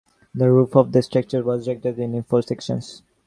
The roof of the structure was retractable in four sections.